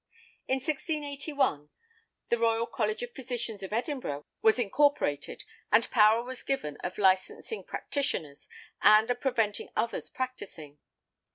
In 1681, the Royal College of Physicians of Edinburgh, was incorporated and power was given of licensing practitioners and of preventing others practising.